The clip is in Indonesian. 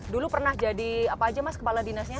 dulu pernah jadi apa aja mas kepala dinasnya